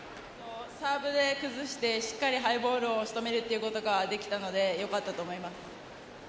サーブで崩してしっかりハイボールを仕留めることができたのでよかったと思います。